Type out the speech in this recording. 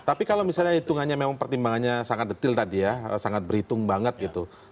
tapi kalau misalnya hitungannya memang pertimbangannya sangat detail tadi ya sangat berhitung banget gitu